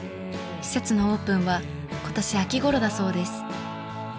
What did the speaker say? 施設のオープンは今年秋ごろだそうです。